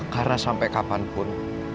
karena sampai kapanpun